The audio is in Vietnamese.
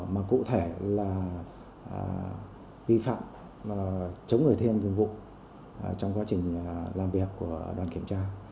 mà cụ thể là vi phạm chống người thiên vụ trong quá trình làm việc của đoàn kiểm tra